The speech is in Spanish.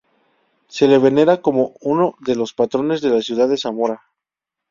Se le venera como uno de los patronos de la ciudad de Zamora.